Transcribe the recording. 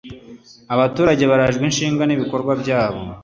abaturage barajwe ishinga n’ibikorwa byabo